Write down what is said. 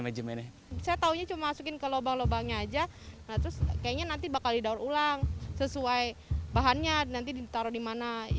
manajemennya saya tahunya cuma masukin ke lubang lubangnya aja terus kayaknya nanti bakal didaur ulang sesuai bahannya nanti ditaruh di mana